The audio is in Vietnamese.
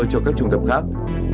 cho các trung tập khác